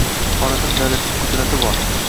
Xorazm davlatining qudrati bor.